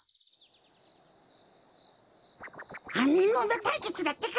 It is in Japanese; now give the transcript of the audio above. あみものたいけつだってか！